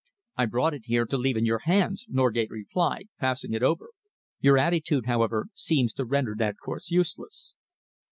"I brought it here to leave in your hands," Norgate replied, passing it over. "Your attitude, however, seems to render that course useless."